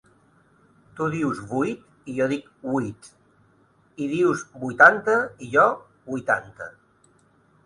Tu dius 'vuit' i jo dic 'huit'; i dius 'vuitanta' i jo, 'huitanta'.